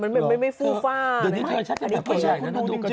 เออมันไม่ฟูฟ้านะในนี้เธอชัดยังแบบกู